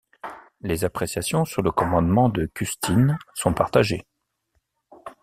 Les appréciations sur le commandement de Custine sont partagées.